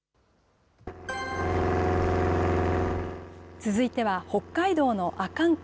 続いては北海道の阿寒湖。